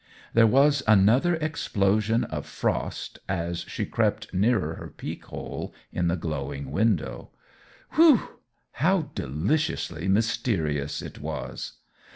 There was another explosion of frost as she crept nearer her peek hole in the glowing window. Whew! How deliciously mysterious it was!